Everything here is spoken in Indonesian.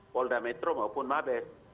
polda metro maupun mabes